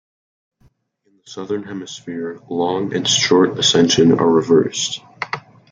In the southern hemisphere, long and short ascension are reversed.